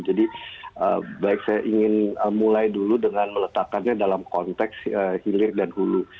jadi baik saya ingin mulai dulu dengan meletakannya dalam konteks hilir dan bulu